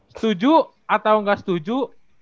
setuju atau gak setuju